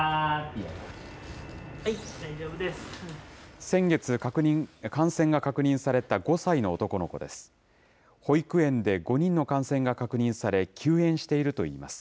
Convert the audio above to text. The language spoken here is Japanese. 先月、感染が確認された５歳の男の子です。